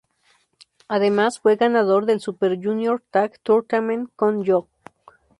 Además fue ganador del Super Junior Tag Tournament junto con Yoh.